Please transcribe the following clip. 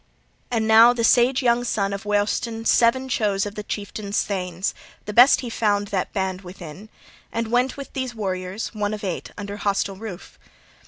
And now the sage young son of Weohstan seven chose of the chieftain's thanes, the best he found that band within, and went with these warriors, one of eight, under hostile roof.